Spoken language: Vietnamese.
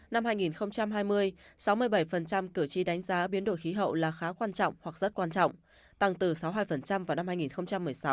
năm hai nghìn hai mươi sáu mươi bảy cử tri đánh giá biến đổi khí hậu là khá quan trọng hoặc rất quan trọng tăng từ sáu mươi hai vào năm hai nghìn một mươi sáu